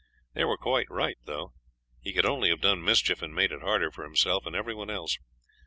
They were quite right, though; he could only have done mischief and made it harder for himself and every one else.